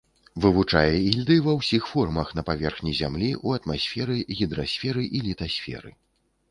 Вывучае ільды ва ўсіх формах на паверхні зямлі, у атмасферы, гідрасферы і літасферы.